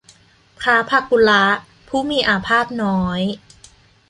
พระพากุละ ผู้มีอาพาธน้อย